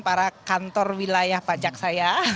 para kantor wilayah pajak saya